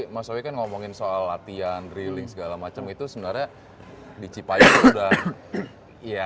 mas howie kan ngomongin soal latihan drilling segala macem itu sebenarnya dicipayu udah ya